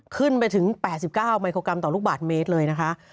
ขึ้นไปถึง๘๙มิโครกรัมต่อลูกบาทเมตรเลยนะคะ